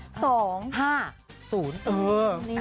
เออนี่